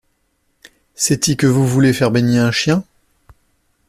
C’est-y que vous voulez faire baigner un chien ?